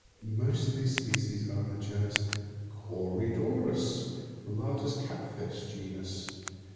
Most of these species are in the genus "Corydoras", the largest catfish genus.